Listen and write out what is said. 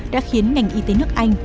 đã khiến ngành y tế nước anh